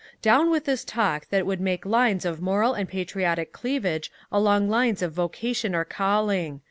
"Down with this talk that would make lines of moral and patriotic cleavage along lines of vocation or calling.